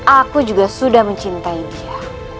aku juga sudah mencintai dia